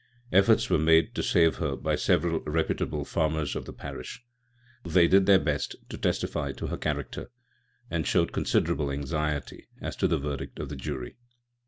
Efforts were made to save her by several reputable farmers of the parish. They did their best to testify to her character, and showed, considerable anxiety as to the verdict of the jury.